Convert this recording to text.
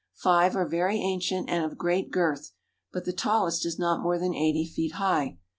Five are very ancient and of great girth, but the tallest is not more than eighty feet high.